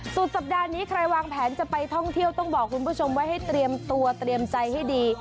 สุดสัปดาห์นี้ใครวางแผนจะไปท่องเที่ยวต้องบอกคุณผู้ชมไว้ให้เตรียมตัวเตรียมใจให้ดี